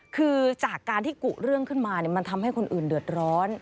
คือจากการที่กุเรื่องขึ้นมามันทำให้คนอื่นเดือดร้อน